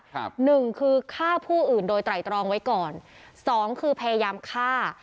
หนึ่งคือฆ่าผู้อื่นโดยไตรตรองไว้ก่อนสองคือพยายามฆ่า